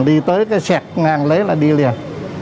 đi tự nhiên